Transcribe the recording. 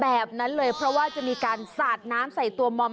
แบบนั้นเลยเพราะว่าจะมีการสาดน้ำใส่ตัวมอม